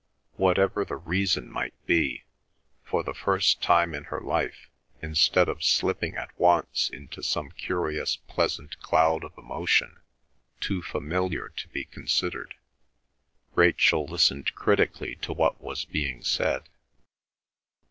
Whatever the reason might be, for the first time in her life, instead of slipping at once into some curious pleasant cloud of emotion, too familiar to be considered, Rachel listened critically to what was being said.